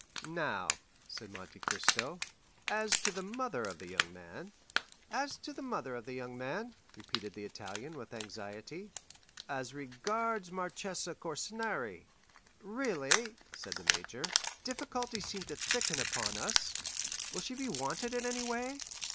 "Now," said Monte Cristo "as to the mother of the young man——" "As to the mother of the young man——" repeated the Italian, with anxiety. "As regards the Marchesa Corsinari——" "Really," said the major, "difficulties seem to thicken upon us; will she be wanted in any way?"